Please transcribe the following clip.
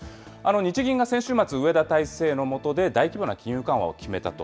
日銀が先週末、植田体制のもとで大規模な金融緩和を決めたと。